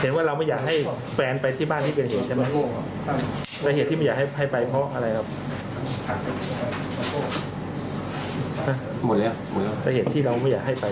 ว่าเราไม่อยากให้แฟนไปที่บ้านที่เกิดเหตุใช่ไหม